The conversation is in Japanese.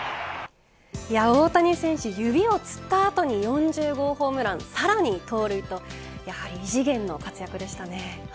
大谷選手、指をつった後に４０号ホームランさらに盗塁とやはり異次元の活躍でしたね。